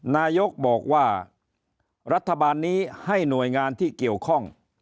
นายกบอกว่ารัฐบาลนี้ให้หน่วยงานที่เกี่ยวข้อง